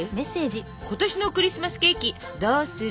「今年のクリスマスケーキどうする？」。